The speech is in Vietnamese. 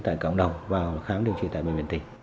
tại cộng đồng vào khám điều trị tại bệnh viện tỉnh